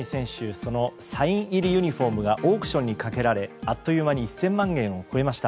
そのサイン入りユニホームがオークションにかけられあっという間に１０００万円を超えました。